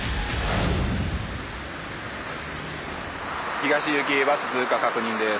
東行きバス通過確認です。